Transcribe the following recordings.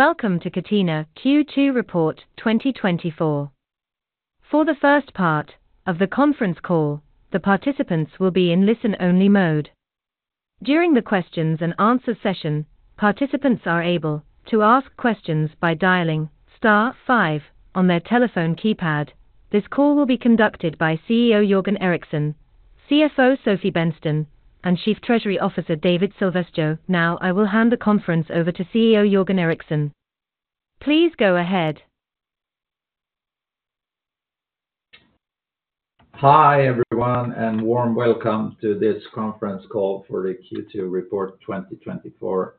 Welcome to Catena Q2 report 2024. For the first part of the conference call, the participants will be in listen-only mode. During the questions and answer session, participants are able to ask questions by dialing star five on their telephone keypad. This call will be conducted by CEO Jörgen Eriksson, CFO Sofie Bennsten, and Chief Treasury Officer David Silvesjö. Now, I will hand the conference over to CEO Jörgen Eriksson. Please go ahead. Hi, everyone, and warm welcome to this conference call for the Q2 report 2024.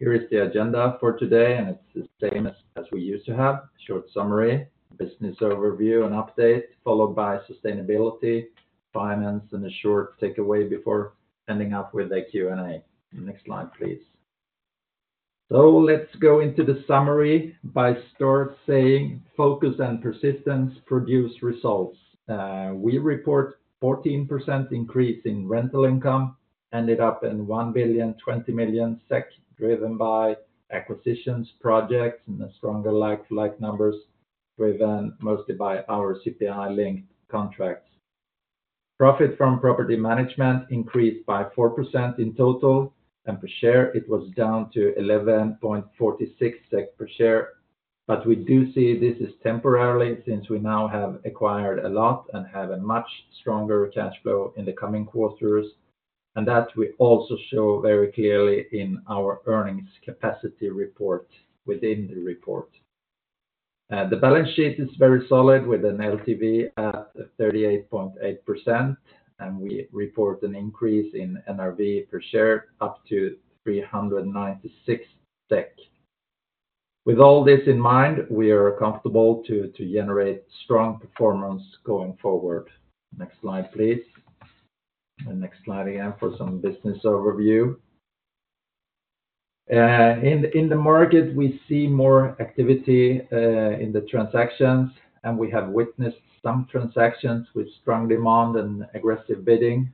Here is the agenda for today, and it's the same as we used to have. Short summary, business overview and update, followed by sustainability, finance, and a short takeaway before ending up with a Q&A. Next slide, please. So let's go into the summary by start saying focus and persistence produce results. We report 14% increase in rental income, ended up in 1,020 million SEK, driven by acquisitions, projects, and the stronger like-for-like numbers, driven mostly by our CPI-linked contracts. Profit from property management increased by 4% in total, and per share, it was down to 11.46 SEK per share. But we do see this is temporarily, since we now have acquired a lot and have a much stronger cash flow in the coming quarters, and that we also show very clearly in our earnings capacity report within the report. The balance sheet is very solid, with an LTV at 38.8%, and we report an increase in NRV per share up to 396 SEK. With all this in mind, we are comfortable to generate strong performance going forward. Next slide, please. Next slide again for some business overview. In the market, we see more activity in the transactions, and we have witnessed some transactions with strong demand and aggressive bidding,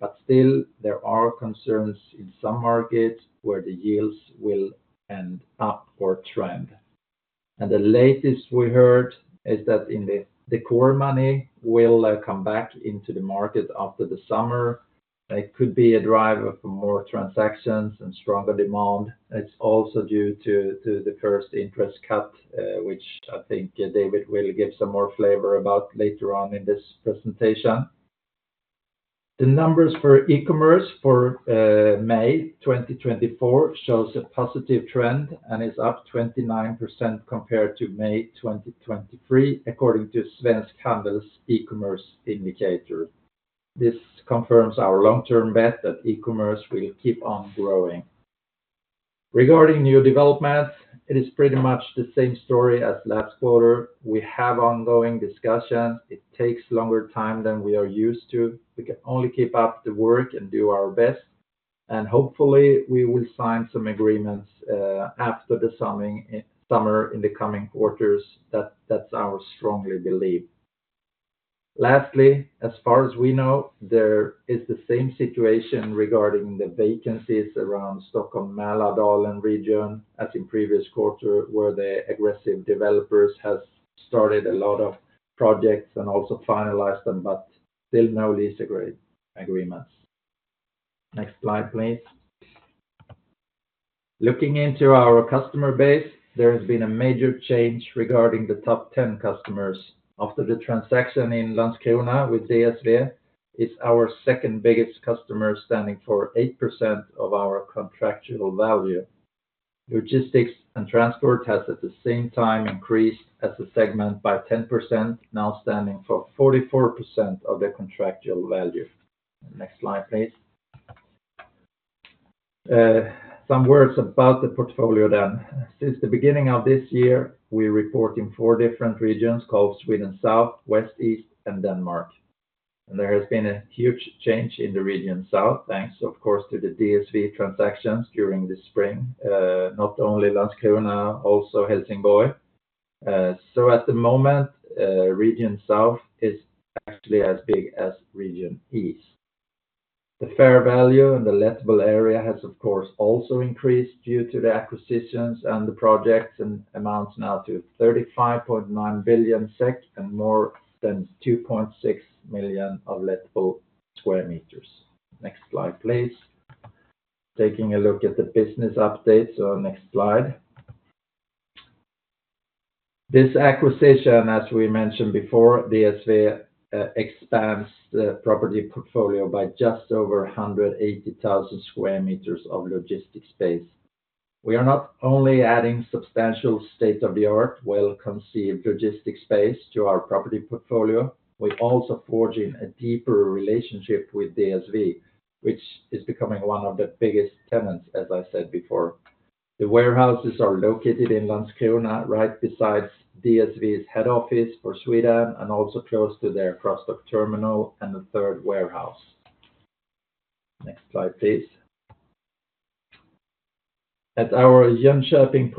but still, there are concerns in some markets where the yields will end up or trend. The latest we heard is that the core money will come back into the market after the summer. It could be a driver for more transactions and stronger demand. It's also due to the first interest cut, which I think David will give some more flavor about later on in this presentation. The numbers for e-commerce for May 2024 shows a positive trend and is up 29% compared to May 2023, according to Svensk Handel's E-commerce Indicator. This confirms our long-term bet that e-commerce will keep on growing. Regarding new developments, it is pretty much the same story as last quarter. We have ongoing discussions. It takes longer time than we are used to. We can only keep up the work and do our best, and hopefully, we will sign some agreements after the summer in the coming quarters. That, that's our strong belief. Lastly, as far as we know, there is the same situation regarding the vacancies around Stockholm-Mälardalen region as in previous quarter, where the aggressive developers has started a lot of projects and also finalized them, but still no lease agreements. Next slide, please. Looking into our customer base, there has been a major change regarding the top 10 customers. After the transaction in Landskrona with DSV, it's our second biggest customer, standing for 8% of our contractual value. Logistics and transport has, at the same time, increased as a segment by 10%, now standing for 44% of the contractual value. Next slide, please. Some words about the portfolio then. Since the beginning of this year, we report in four different regions: called Sweden South, West, East, and Denmark. There has been a huge change in the Region South, thanks, of course, to the DSV transactions during the spring. Not only Landskrona, also Helsingborg. So at the moment, Region South is actually as big as Region East. The fair value and the lettable area has, of course, also increased due to the acquisitions and the projects, and amounts now to 35.9 billion SEK and more than 2.6 million lettable sq m. Next slide, please. Taking a look at the business updates. Next slide. This acquisition, as we mentioned before, DSV, expands the property portfolio by just over 180,000 sq m of logistic space. We are not only adding substantial state-of-the-art, well-conceived logistic space to our property portfolio, we're also forging a deeper relationship with DSV, which is becoming one of the biggest tenants, as I said before. The warehouses are located in Landskrona, right besides DSV's head office for Sweden, and also close to their cross-dock terminal and the third warehouse. Next slide, please. At our Jönköping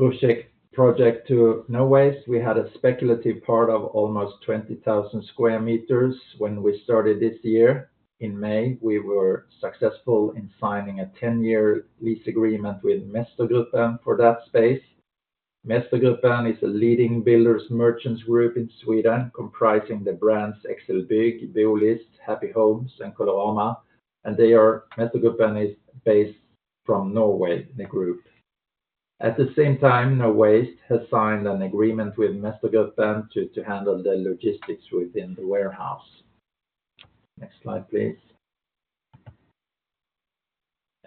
project to Nowaste, we had a speculative part of almost 20,000 sq m when we started this year. In May, we were successful in signing a 10-year lease agreement with Mestergruppen for that space. Mestergruppen is a leading builders merchants group in Sweden, comprising the brands XL-BYGG, Bolist, Happy Homes, and Colorama, and they are. Mestergruppen is based from Norway, the group. At the same time, Nowaste has signed an agreement with Mestergruppen to handle the logistics within the warehouse. Next slide, please.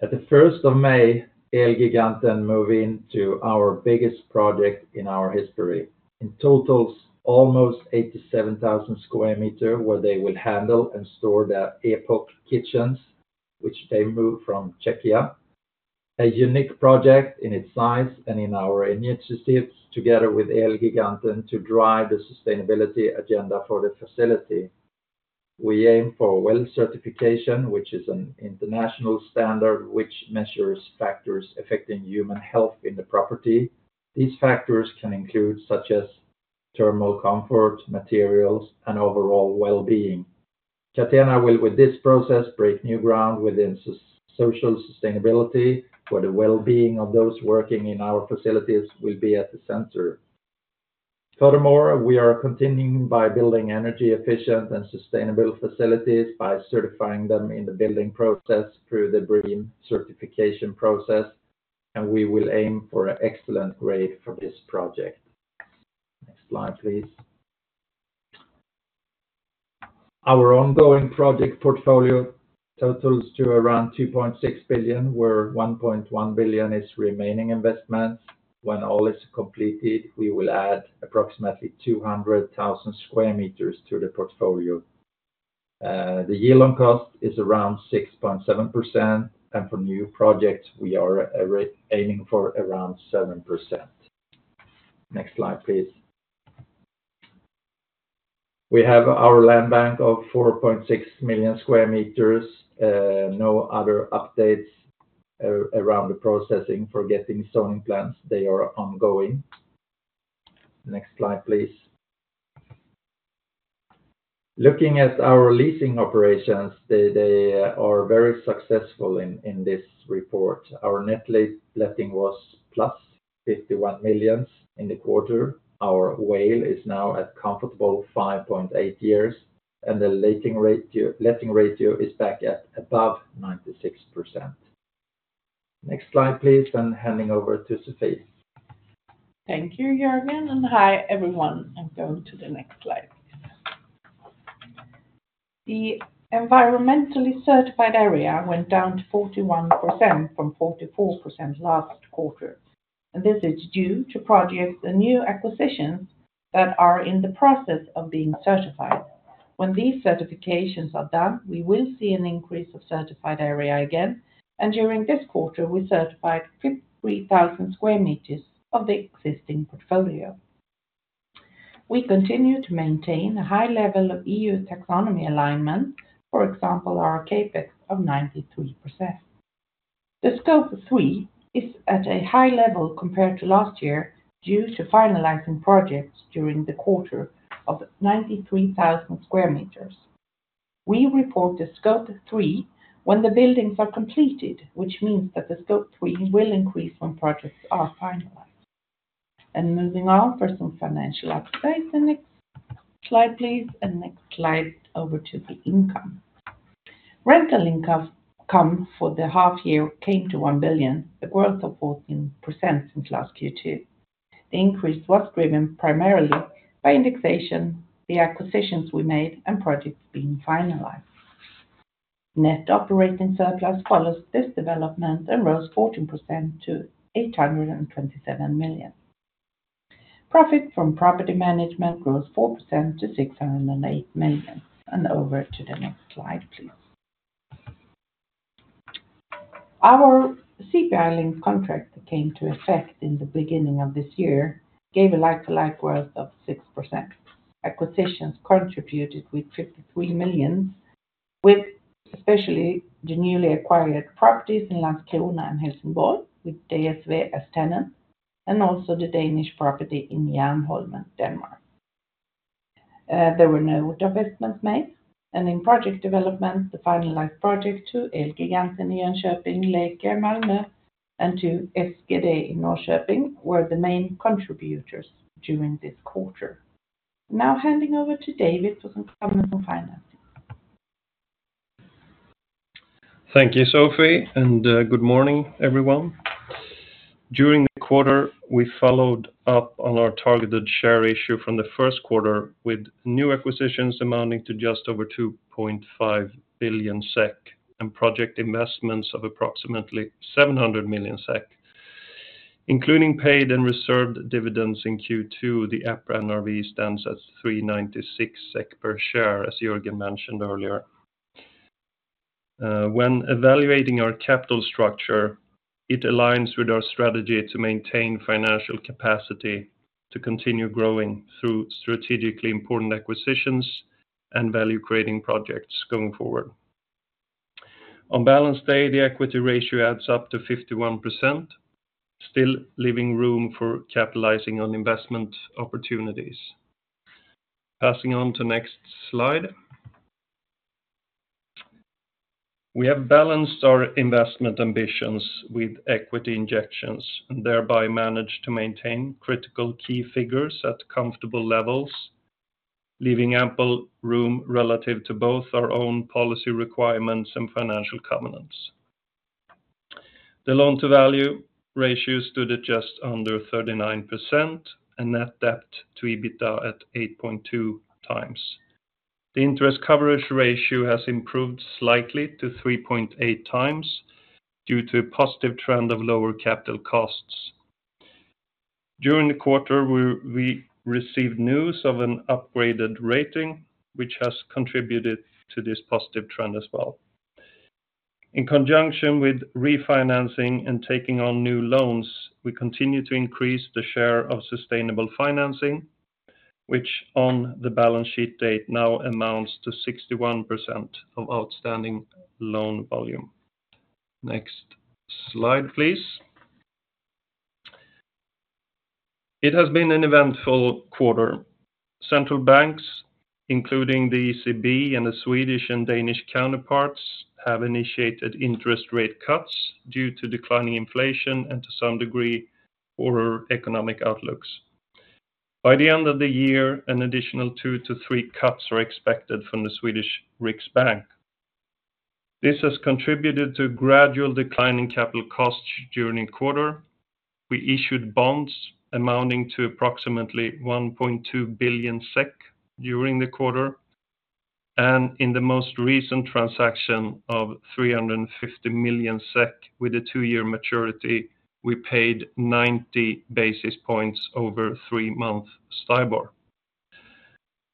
At the first of May, Elgiganten move into our biggest project in our history. In total, almost 87,000 sq m, where they will handle and store their Epoq kitchens, which they move from Czechia. A unique project in its size and in our initiatives together with Elgiganten to drive the sustainability agenda for the facility. We aim for WELL certification, which is an international standard, which measures factors affecting human health in the property. These factors can include, such as thermal comfort, materials, and overall well-being. Catena will, with this process, break new ground within social sustainability, where the well-being of those working in our facilities will be at the center. Furthermore, we are continuing by building energy efficient and sustainable facilities by certifying them in the building process through the BREEAM certification process, and we will aim for an excellent grade for this project. Next slide, please. Our ongoing project portfolio totals to around 2.6 billion, where 1.1 billion is remaining investments. When all is completed, we will add approximately 200,000 sq m to the portfolio. The yield on cost is around 6.7%, and for new projects, we are aiming for around 7%. Next slide, please. We have our land bank of 4.6 million sq m, no other updates around the processing for getting zoning plans. They are ongoing. Next slide, please. Looking at our leasing operations, they are very successful in this report. Our net letting was +51 million in the quarter. Our WALE is now at comfortable 5.8 years, and the letting ratio is back at above 96%. Next slide, please, and handing over to Sofie. Thank you, Jörgen, and hi, everyone, and go to the next slide. The environmentally certified area went down to 41% from 44% last quarter, and this is due to projects and new acquisitions that are in the process of being certified. When these certifications are done, we will see an increase of certified area again, and during this quarter, we certified 53,000 sq m of the existing portfolio. We continue to maintain a high level of EU taxonomy alignment, for example, our CapEx of 93%. The Scope 3 is at a high level compared to last year, due to finalizing projects during the quarter of 93,000 sq m. We report the Scope 3 when the buildings are completed, which means that the Scope 3 will increase when projects are finalized. And moving on for some financial updates. The next slide, please, and next slide over to the income. Rental income for the half year came to 1 billion, a growth of 14% since last Q2. The increase was driven primarily by indexation, the acquisitions we made, and projects being finalized. Net operating surplus follows this development and rose 14% to 827 million. Profit from property management grows 4% to 608 million. And over to the next slide, please. Our CPI-linked contract that came to effect in the beginning of this year, gave a like-for-like growth of 6%. Acquisitions contributed with 53 million, with especially the newly acquired properties in Landskrona and Helsingborg, with DSV as tenant, and also the Danish property in Jernholmen, Denmark. There were no divestments made, and in project development, the finalized project to Elgiganten in Jönköping, Lakejen Malmö, and to Svensk Glasåtervinning in Norrköping were the main contributors during this quarter. Now handing over to David for some comments on financing. Thank you, Sofie, and, good morning, everyone. During the quarter, we followed up on our targeted share issue from the first quarter with new acquisitions amounting to just over 2.5 billion SEK, and project investments of approximately 700 million SEK. Including paid and reserved dividends in Q2, the EPRA NRV stands at 396 SEK per share, as Jörgen mentioned earlier. When evaluating our capital structure, it aligns with our strategy to maintain financial capacity to continue growing through strategically important acquisitions and value-creating projects going forward. On balance day, the equity ratio adds up to 51%, still leaving room for capitalizing on investment opportunities. Passing on to next slide. We have balanced our investment ambitions with equity injections and thereby managed to maintain critical key figures at comfortable levels, leaving ample room relative to both our own policy requirements and financial covenants. The loan-to-value ratio stood at just under 39%, and net debt to EBITDA at 8.2x. The interest coverage ratio has improved slightly to 3.8x due to a positive trend of lower capital costs. During the quarter, we received news of an upgraded rating, which has contributed to this positive trend as well. In conjunction with refinancing and taking on new loans, we continue to increase the share of sustainable financing, which on the balance sheet date now amounts to 61% of outstanding loan volume. Next slide, please. It has been an eventful quarter. Central banks, including the ECB and the Swedish and Danish counterparts, have initiated interest rate cuts due to declining inflation and to some degree, poorer economic outlooks. By the end of the year, an additional two to three cuts are expected from the Swedish Riksbank. This has contributed to a gradual decline in capital costs during the quarter. We issued bonds amounting to approximately 1.2 billion SEK during the quarter, and in the most recent transaction of 350 million SEK with a two-year maturity, we paid 90 basis points over three-month STIBOR.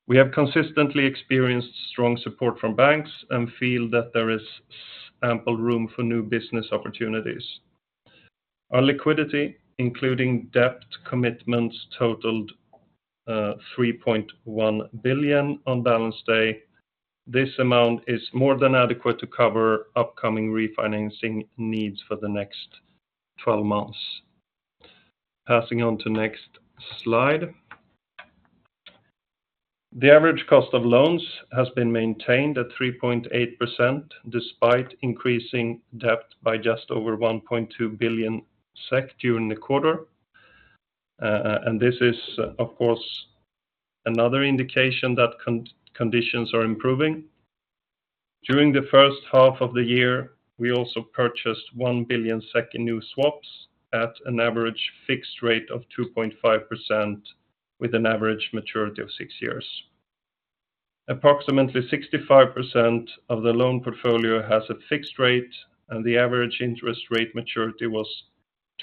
We have consistently experienced strong support from banks and feel that there is ample room for new business opportunities. Our liquidity, including debt commitments, totaled 3.1 billion on balance day. This amount is more than adequate to cover upcoming refinancing needs for the next 12 months. Passing on to next slide. The average cost of loans has been maintained at 3.8%, despite increasing debt by just over 1.2 billion SEK during the quarter. And this is, of course, another indication that conditions are improving. During the first half of the year, we also purchased 1 billion in new swaps at an average fixed rate of 2.5%, with an average maturity of six years. Approximately 65% of the loan portfolio has a fixed rate, and the average interest rate maturity was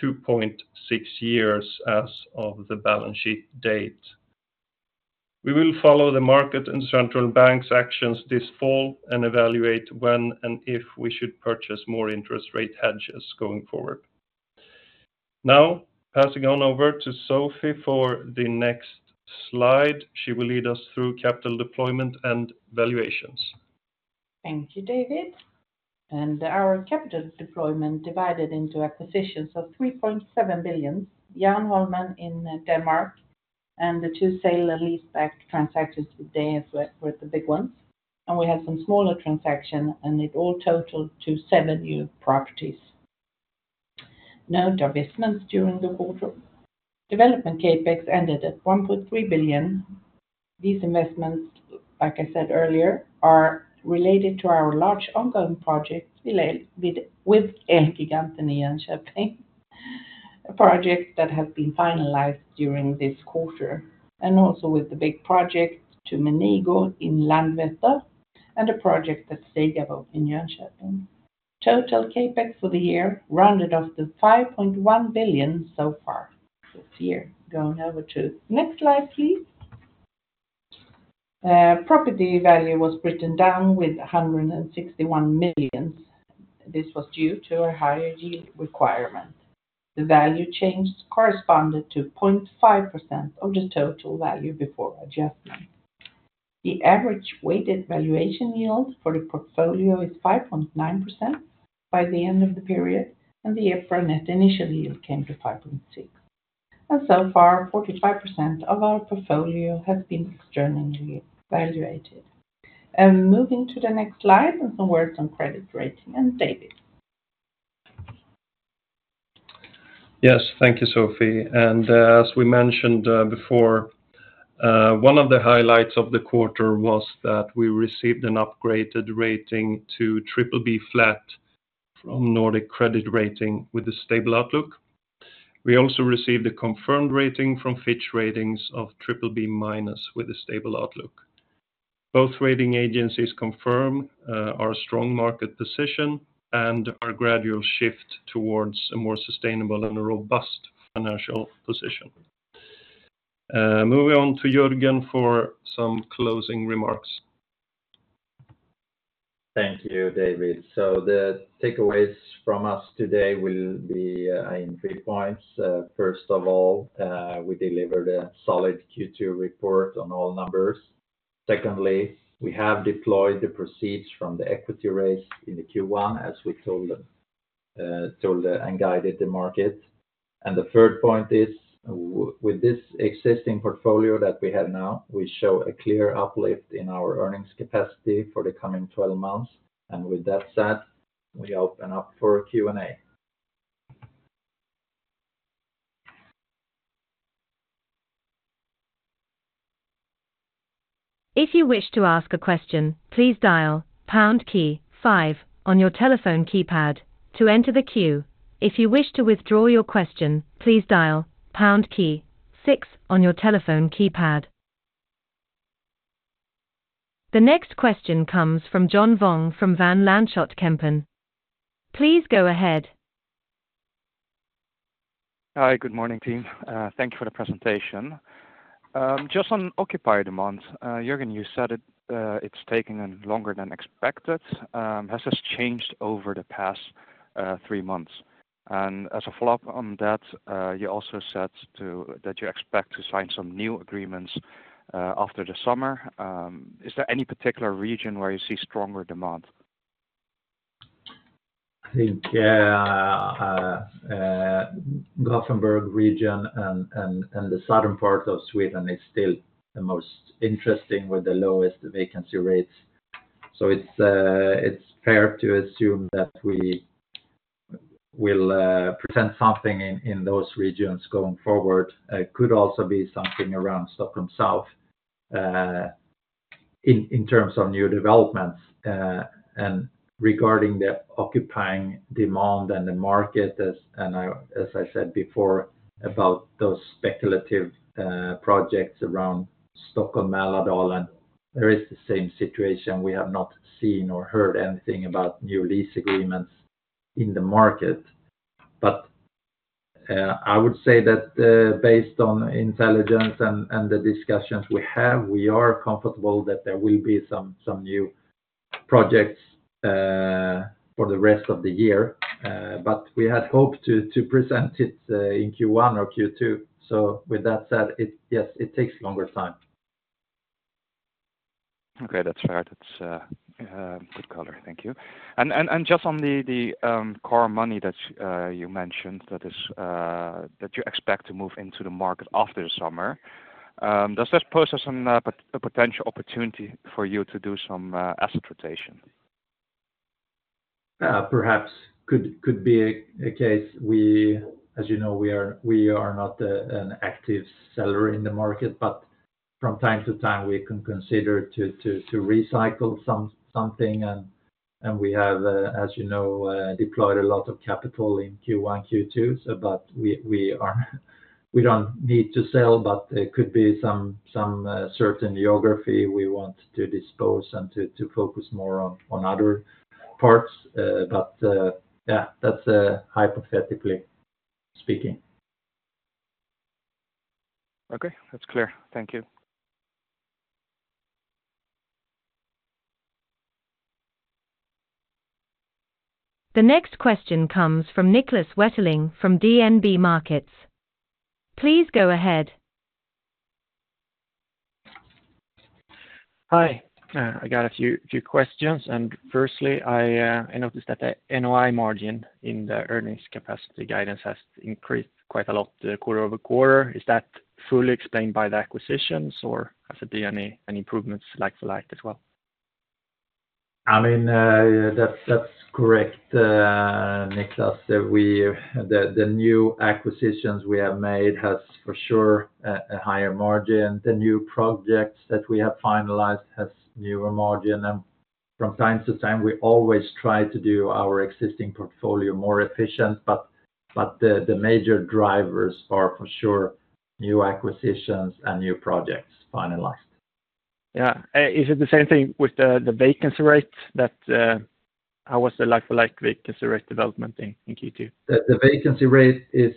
2.6 years as of the balance sheet date. We will follow the market and central bank's actions this fall and evaluate when and if we should purchase more interest rate hedges going forward. Now, passing on over to Sofie for the next slide. She will lead us through capital deployment and valuations. Thank you, David. Our capital deployment divided into acquisitions of 3.7 billion in Denmark, and the two sale-and-leaseback transactions with them were the big ones, and we had some smaller transaction, and it all totaled to seven new properties. No divestments during the quarter. Development CapEx ended at 1.3 billion. These investments, like I said earlier, are related to our large ongoing project with Elgiganten in Jönköping, a project that has been finalized during this quarter, and also with the big project to Menigo in Landvetter, and a project at Stigamo in Jönköping. Total CapEx for the year, rounded off to 5.1 billion so far this year. Going over to next slide, please. Property value was written down with 161 million. This was due to a higher yield requirement. The value change corresponded to 0.5% of the total value before adjustment. The average weighted valuation yield for the portfolio is 5.9% by the end of the period, and the fair net initial yield came to 5.6%. So far, 45% of our portfolio has been externally valued. Moving to the next slide, some words on credit rating. David? Yes. Thank you, Sofie. And, as we mentioned, before, one of the highlights of the quarter was that we received an upgraded rating to BBB from Nordic Credit Rating with a stable outlook. We also received a confirmed rating from Fitch Ratings of BBB- with a stable outlook. Both rating agencies confirm our strong market position and our gradual shift towards a more sustainable and a robust financial position. Moving on to Jörgen for some closing remarks. Thank you, David. The takeaways from us today will be in three points. First of all, we delivered a solid Q2 report on all numbers.... secondly, we have deployed the proceeds from the equity raise in the Q1, as we told them and guided the market. And the third point is, with this existing portfolio that we have now, we show a clear uplift in our earnings capacity for the coming 12 months. And with that said, we open up for Q&A. If you wish to ask a question, please dial pound key five on your telephone keypad to enter the queue. If you wish to withdraw your question, please dial pound key six on your telephone keypad. The next question comes from John Vuong from Van Lanschot Kempen. Please go ahead. Hi, good morning, team. Thank you for the presentation. Just on occupied demand, Jörgen, you said it, it's taking a longer than expected. Has this changed over the past three months? And as a follow-up on that, you also said that you expect to sign some new agreements after the summer. Is there any particular region where you see stronger demand? I think, yeah, Gothenburg region and the southern part of Sweden is still the most interesting with the lowest vacancy rates. So it's fair to assume that we will present something in those regions going forward. Could also be something around Stockholm South, in terms of new developments, and regarding the occupier demand and the market, and I, as I said before, about those speculative projects around Stockholm-Mälardalen, there is the same situation. We have not seen or heard anything about new lease agreements in the market. But I would say that, based on intelligence and the discussions we have, we are comfortable that there will be some new projects for the rest of the year. But we had hoped to present it in Q1 or Q2. With that said, yes, it takes longer time. Okay, that's fair. That's good color. Thank you. And just on the core money that you mentioned that you expect to move into the market after the summer, does this pose some potential opportunity for you to do some asset rotation? Perhaps could be a case. We, as you know, are not an active seller in the market, but from time to time, we can consider to recycle something. And we have, as you know, deployed a lot of capital in Q1, Q2. So but we don't need to sell, but there could be some certain geography we want to dispose and to focus more on other parts. But yeah, that's hypothetically speaking. Okay. That's clear. Thank you. The next question comes from Niklas Wetterling, from DNB Markets. Please go ahead. Hi. I got a few questions, and firstly, I noticed that the NOI margin in the earnings capacity guidance has increased quite a lot quarter-over-quarter. Is that fully explained by the acquisitions, or has there been any improvements like to like as well? I mean, that's correct, Niklas. The new acquisitions we have made has, for sure, a higher margin. The new projects that we have finalized has newer margin, and from time to time, we always try to do our existing portfolio more efficient, but the major drivers are, for sure, new acquisitions and new projects finalized. Yeah. Is it the same thing with the vacancy rates that how was the like-for-like vacancy rate development in Q2? The vacancy rate is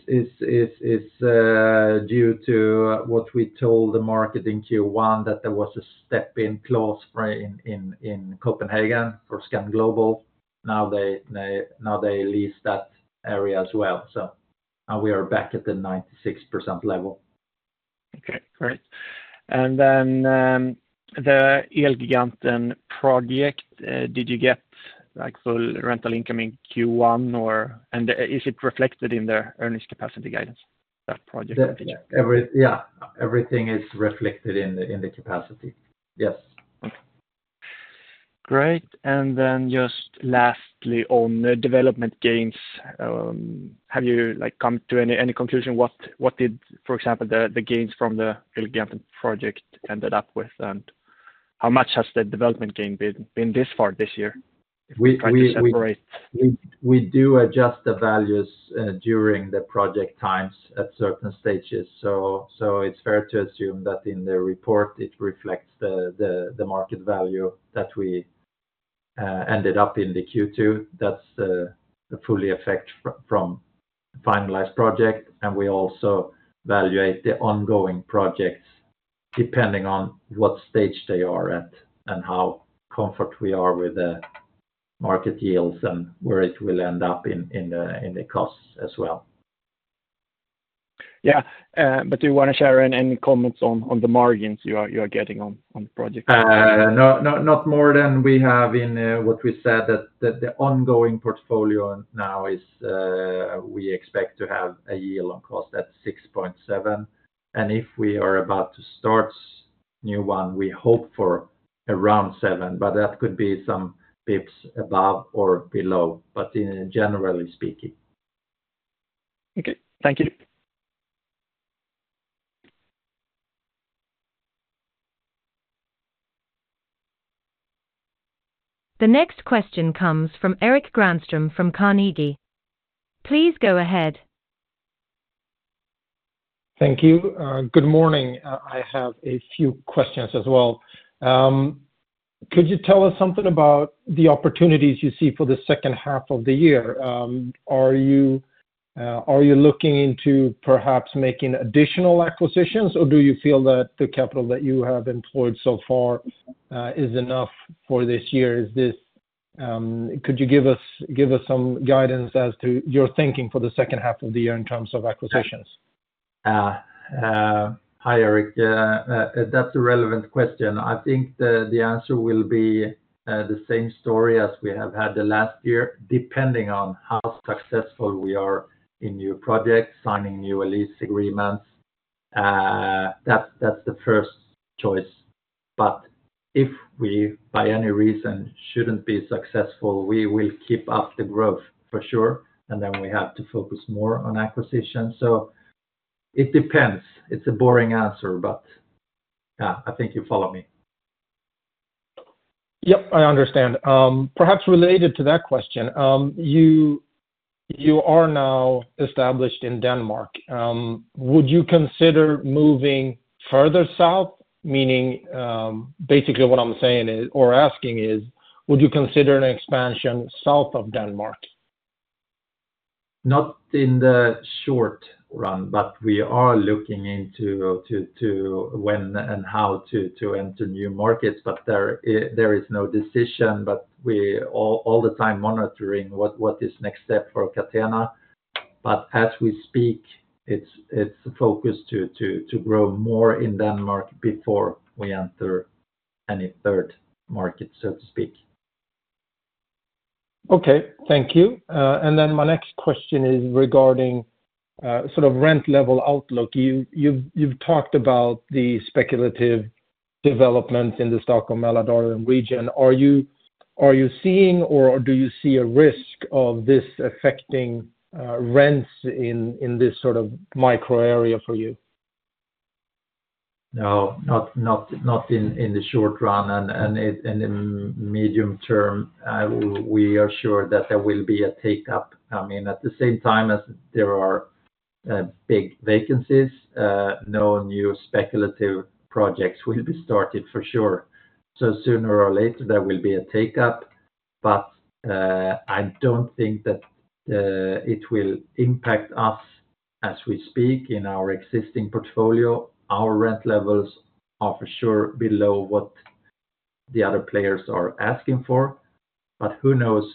due to what we told the market in Q1, that there was a step-in clause, right, in Copenhagen for Scan Global. Now they lease that area as well. So now we are back at the 96% level. Okay, great. And then, the Elgiganten project, did you get, like, full rental income in Q1, or... And is it reflected in their earnings capacity guidance, that project? Yeah. Yeah, everything is reflected in the, in the capacity. Yes. Okay. Great. And then just lastly, on the development gains, have you, like, come to any conclusion? What did, for example, the gains from the Elgiganten project end up with, and how much has the development gain been this far this year, if I can separate? We do adjust the values during the project times at certain stages. So it's fair to assume that in the report, it reflects the market value that we ended up in the Q2. That's the full effect from finalized project, and we also evaluate the ongoing projects depending on what stage they are at, and how comfortable we are with the market yields and where it will end up in the costs as well.... Yeah, but do you want to share any comments on the margins you are getting on the project? No, not more than we have in what we said, that the ongoing portfolio now is, we expect to have a yield on cost at 6.7%. And if we are about to start new one, we hope for around seven, but that could be some pips above or below, but in generally speaking. Okay. Thank you. The next question comes from Erik Granström from Carnegie. Please go ahead. Thank you. Good morning, I have a few questions as well. Could you tell us something about the opportunities you see for the second half of the year? Are you looking into perhaps making additional acquisitions, or do you feel that the capital that you have employed so far is enough for this year? Could you give us some guidance as to your thinking for the second half of the year in terms of acquisitions? Hi, Erik. That's a relevant question. I think the answer will be the same story as we have had the last year, depending on how successful we are in new projects, signing new lease agreements. That's the first choice. But if we, by any reason, shouldn't be successful, we will keep up the growth for sure, and then we have to focus more on acquisition. So it depends. It's a boring answer, but I think you follow me. Yep, I understand. Perhaps related to that question, you are now established in Denmark. Would you consider moving further south? Meaning, basically what I'm saying is, or asking is, would you consider an expansion south of Denmark? Not in the short run, but we are looking into when and how to enter new markets, but there is no decision, but we all the time monitoring what is next step for Catena. But as we speak, it's focus to grow more in Denmark before we enter any third market, so to speak. Okay, thank you. And then my next question is regarding sort of rent level outlook. You've talked about the speculative development in the Stockholm-Mälardalen region. Are you seeing or do you see a risk of this affecting rents in this sort of micro area for you? No, not in the short run and in the medium term, we are sure that there will be a take up. I mean, at the same time as there are big vacancies, no new speculative projects will be started for sure. So sooner or later there will be a take up, but I don't think that it will impact us as we speak in our existing portfolio. Our rent levels are for sure below what the other players are asking for, but who knows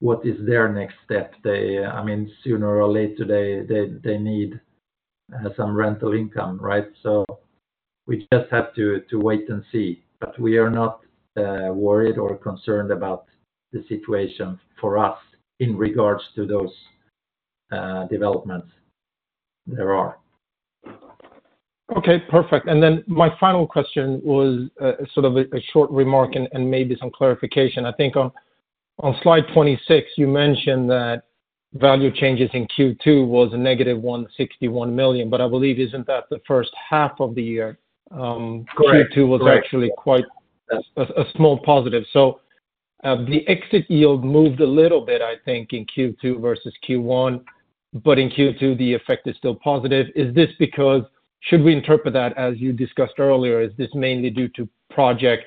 what is their next step? They, I mean, sooner or later, they need some rental income, right? So we just have to wait and see, but we are not worried or concerned about the situation for us in regards to those developments there are. Okay, perfect. And then my final question was sort of a short remark and maybe some clarification. I think on slide 26, you mentioned that value changes in Q2 was a negative 161 million, but I believe, isn't that the first half of the year? Correct. Q2 was actually quite a small positive. So, the exit yield moved a little bit, I think, in Q2 versus Q1, but in Q2, the effect is still positive. Is this because... Should we interpret that, as you discussed earlier, is this mainly due to project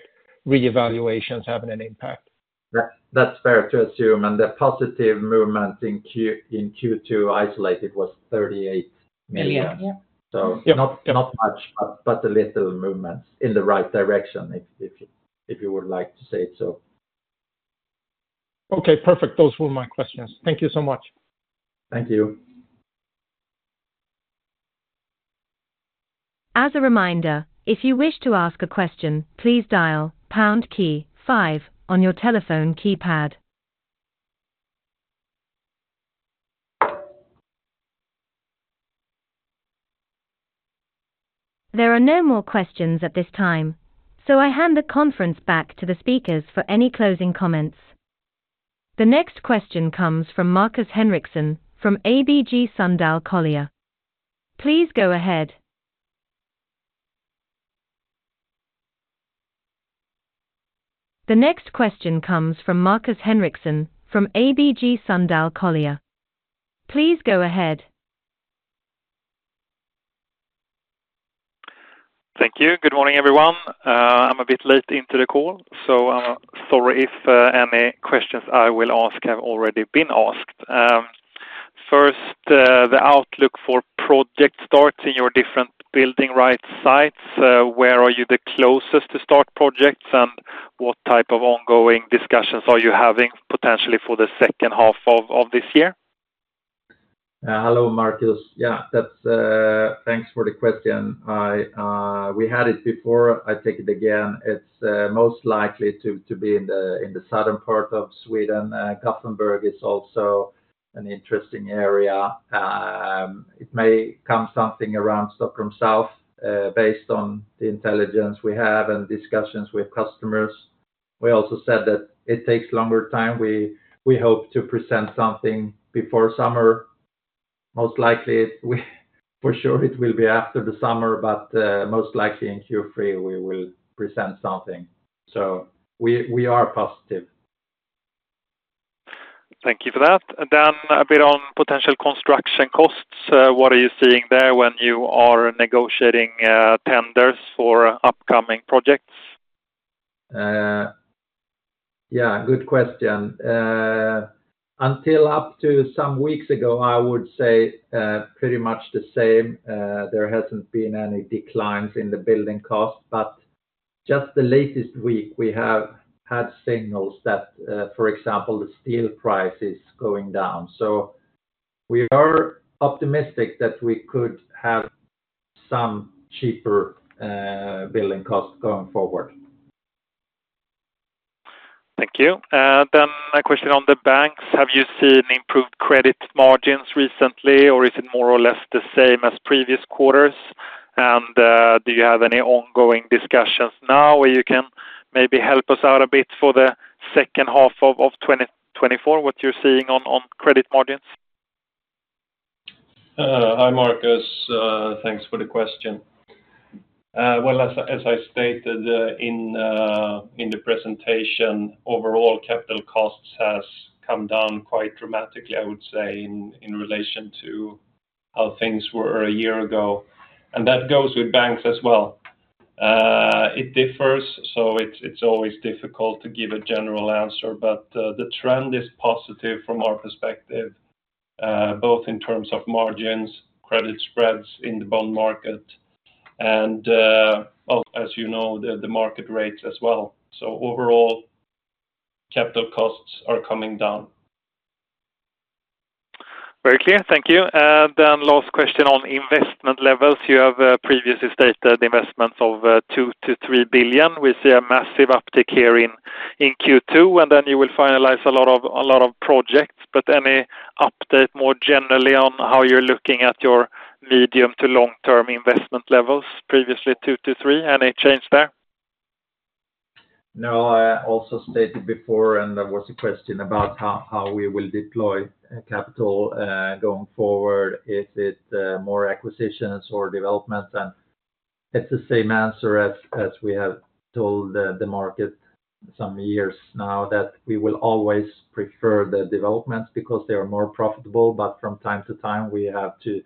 reevaluations having an impact? That, that's fair to assume. And the positive movement in Q2, isolated, was 38 million. Yeah. So not much, but a little movement in the right direction, if you would like to say it so. Okay, perfect. Those were my questions. Thank you so much. Thank you. As a reminder, if you wish to ask a question, please dial pound key five on your telephone keypad. There are no more questions at this time, so I hand the conference back to the speakers for any closing comments. The next question comes from Markus Henriksson, from ABG Sundal Collier. Please go ahead. The next question comes from Markus Henriksson, from ABG Sundal Collier. Please go ahead. Thank you. Good morning, everyone. I'm a bit late into the call, so I'm sorry if any questions I will ask have already been asked. First, the outlook for project starts in your different building rights sites, where are you the closest to start projects, and what type of ongoing discussions are you having potentially for the second half of this year?... Hello, Markus. Yeah, that's, thanks for the question. I, we had it before. I take it again. It's most likely to be in the southern part of Sweden. Gothenburg is also an interesting area. It may come something around Stockholm south, based on the intelligence we have and discussions with customers. We also said that it takes longer time. We hope to present something before summer. Most likely, for sure, it will be after the summer, but most likely in Q3 we will present something. So we are positive. Thank you for that. A bit on potential construction costs. What are you seeing there when you are negotiating tenders for upcoming projects? Yeah, good question. Until up to some weeks ago, I would say, pretty much the same. There hasn't been any declines in the building cost, but just the latest week, we have had signals that, for example, the steel price is going down. So we are optimistic that we could have some cheaper, building costs going forward. Thank you. A question on the banks. Have you seen improved credit margins recently, or is it more or less the same as previous quarters? Do you have any ongoing discussions now where you can maybe help us out a bit for the second half of 2024, what you're seeing on credit margins? Hi, Markus. Thanks for the question. Well, as I stated, in the presentation, overall capital costs has come down quite dramatically, I would say, in relation to how things were a year ago, and that goes with banks as well. It differs, so it's always difficult to give a general answer, but the trend is positive from our perspective, both in terms of margins, credit spreads in the bond market, and well, as you know, the market rates as well. So overall, capital costs are coming down. Very clear. Thank you. Then last question on investment levels. You have previously stated investments of 2 billion-3 billion. We see a massive uptick here in Q2, and then you will finalize a lot of, a lot of projects, but any update, more generally, on how you're looking at your medium to long-term investment levels, previously, 2 billion-3 billion, any change there? No, I also stated before, and there was a question about how we will deploy capital going forward. Is it more acquisitions or development? And it's the same answer as we have told the market some years now, that we will always prefer the developments because they are more profitable, but from time to time, we have to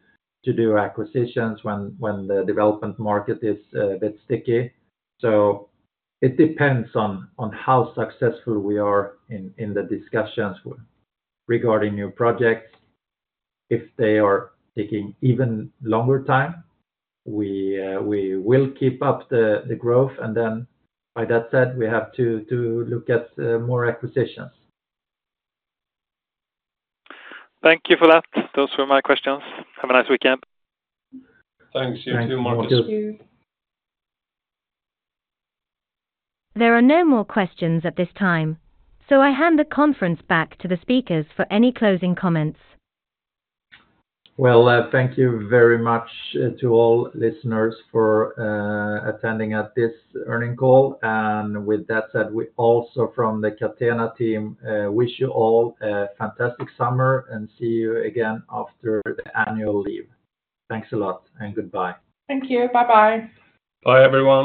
do acquisitions when the development market is a bit sticky. So it depends on how successful we are in the discussions with regarding new projects. If they are taking even longer time, we will keep up the growth, and then by that said, we have to look at more acquisitions. Thank you for that. Those were my questions. Have a nice weekend. Thanks. You too, Markus. Thank you. There are no more questions at this time, so I hand the conference back to the speakers for any closing comments. Well, thank you very much to all listeners for attending at this earnings call. And with that said, we also from the Catena team wish you all a fantastic summer, and see you again after the annual leave. Thanks a lot, and goodbye. Thank you. Bye-bye. Bye, everyone.